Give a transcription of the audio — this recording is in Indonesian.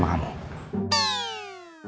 masal yang perlu sama kamu